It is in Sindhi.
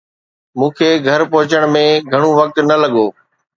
مون کي گهر پهچڻ ۾ گهڻو وقت نه لڳو